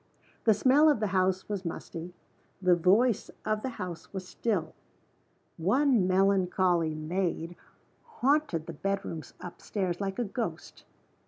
The smell of the house was musty; the voice of the house was still. One melancholy maid haunted the bedrooms up stairs, like a ghost.